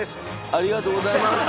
ありがとうございます。